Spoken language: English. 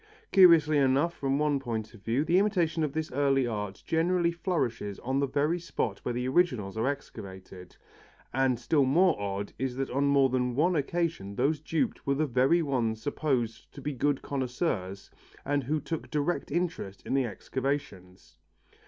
Curiously enough from one point of view, the imitation of this early art generally flourishes on the very spot where the originals are excavated, and still more odd is it that on more than one occasion those duped were the very ones supposed to be good connoisseurs and who took direct interest in the excavations.